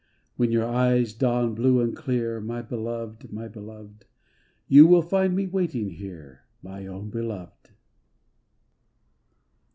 When your eyes dawn blue and clear. My Beloved! my Beloved! You will find me waiting here. My own Beloved!